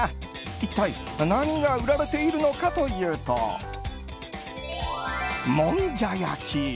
一体何が売られているのかというともんじゃ焼き。